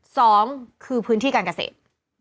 สองคือพื้นที่การเกษตร